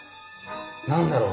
何だろう？